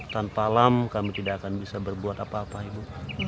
tanpa alam kami tidak akan bisa berbuat apa apa ibu